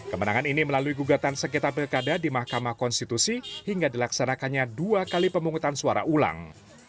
kemenangan ini melalui gugatan sekitar pilkada di mahkamah konstitusi hingga dilaksanakannya dua kali pemungutan suara ulang